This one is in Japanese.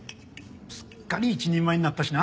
すっかり一人前になったしな。